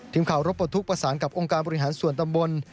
ทีมข่าวรบประทุกข์ประสานกับองค์การบริหารส่วนตำบล